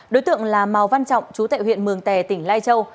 đối tượng là màu văn trọng chú tại huyện mường tè tỉnh lai châu